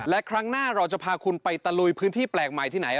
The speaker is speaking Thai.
และครั้งหน้าเราจะพาคุณไปตะลุยพื้นที่แปลกใหม่ที่ไหน